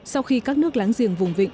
sau khi các nước láng giềng vùng vịnh